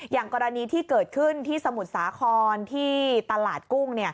อย่างกรณีที่เกิดขึ้นที่สมุทรสาครที่ตลาดกุ้ง